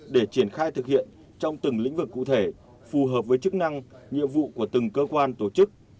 để triển khai thực hiện trong từng lĩnh vực cụ thể phù hợp với chức năng nhiệm vụ của từng cơ quan tổ chức